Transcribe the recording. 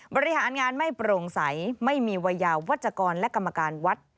บริหารงานไม่โปร่งใสไม่มีวัยยาวัชกรและกรรมการวัด